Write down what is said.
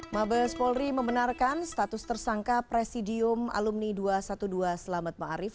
mabes polri membenarkan status tersangka presidium alumni dua ratus dua belas selamat ma'arif